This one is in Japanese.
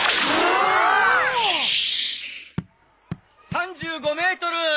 ３５ｍ！